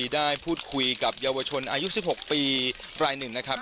ได้พูดคุยกับเยาวชนอายุ๑๖ปีรายหนึ่งนะครับ